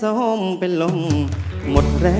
รายการต่อไปนี้เป็นรายการทั่วไปสามารถรับชมได้ทุกวัย